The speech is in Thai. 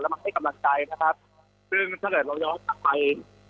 และมาให้กำลังใจนะครับซึ่งเฉลยเราย้อนไป